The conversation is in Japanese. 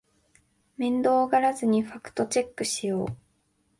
面倒がらずにファクトチェックしよう